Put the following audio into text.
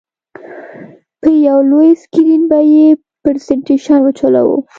په یو لوی سکرین به یې پرزینټېشن وچلوو.